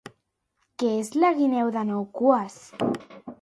Què és la guineu de nou cues?